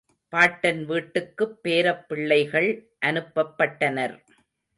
பாட்டன் வீட்டுக்குப் பேரப் பிள்ளைகள் அனுப்பப் பட்டனர்.